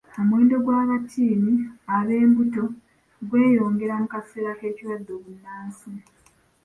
Omuwendo gw'abatiini ab'embuto gweyongera mu kaseera k'ekirwadde bbunansi.